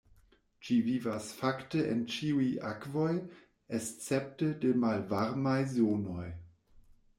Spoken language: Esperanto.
Ĝi vivas fakte en ĉiuj akvoj, escepte de malvarmaj zonoj.